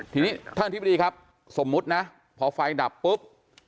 ทีนี้ท่านอธิบดีครับสมมุตินะพอไฟดับปุ๊บ